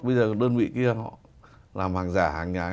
bây giờ đơn vị kia họ làm hàng giả hàng nhái